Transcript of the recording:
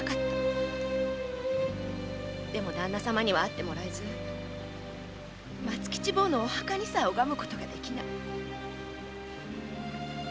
でも旦那様には会ってもらえず松吉坊のお墓にさえ拝むことができない。